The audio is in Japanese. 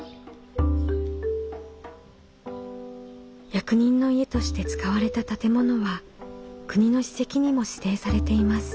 役人の家として使われた建物は国の史跡にも指定されています。